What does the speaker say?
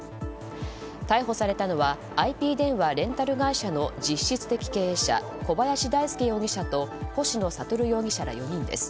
逮捕されたのはＩＰ電話レンタル会社の実質的経営者小林大輔容疑者と星野智容疑者ら４人です。